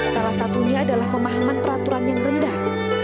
salah satunya adalah pemahaman peraturan yang rendah